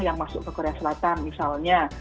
yang masuk ke korea selatan misalnya